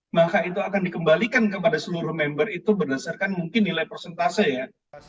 maka itu akan dikembalikan kepada seluruh member itu berdasarkan mungkin nilai persentase ya